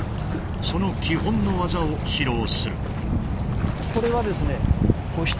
その基本の技を披露する。